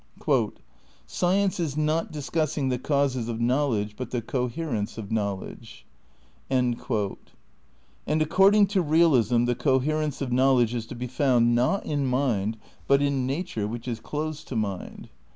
"Science is not discussing the causes of knowledge but the co herence of knowledge." * And according to realism the coherence of knowledge is to be found not in mind but in nature which is closed to mind.